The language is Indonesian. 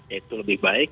ya itu lebih baik